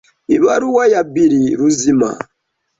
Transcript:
Ibaruwa ya Billy Ruzima;